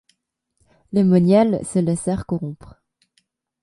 Les moniales se laissèrent corrompre.